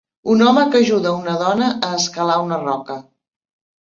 Un home que ajuda a una dona a escalar una roca